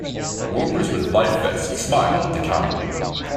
Workers with life vests smile at the camera.